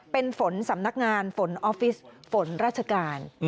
เป็นฝนสำนักงานฝนออฟฟิศฝนราชการ